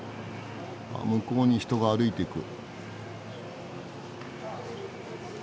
あっ向こうに人が歩いていく。